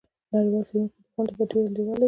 نړیوال څیړونکي دې غونډې ته ډیر لیواله وي.